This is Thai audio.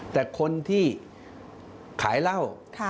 แต่คนที่ขายเหล้า